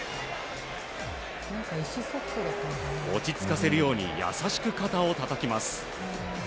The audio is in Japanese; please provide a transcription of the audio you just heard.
落ち着かせるように優しく肩をたたきます。